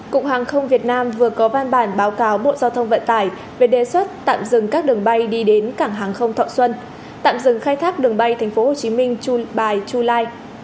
cục hàng không việt nam vừa có văn bản báo cáo bộ giao thông vận tải về đề xuất tạm dừng các đường bay đi đến cảng hàng không thọ xuân tạm dừng khai thác đường bay thành phố hồ chí minh by july